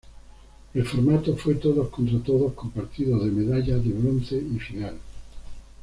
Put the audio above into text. El formato fue todos contra todos, con partido de medalla de bronce y final.